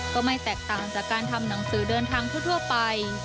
ก็ไม่แตกต่างจากการทำหนังสือเดินทางทั่วไป